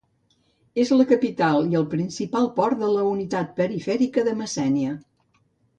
És la capital i el principal port de la unitat perifèrica de Messènia.